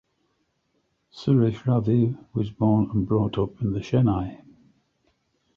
Suresh Ravi was born and brought up in Chennai.